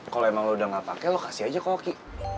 kalau emang lu udah gak pake lu kasih aja ke oki